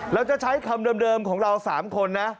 เราจะใช้คำเดิมของเรา๓คนนะ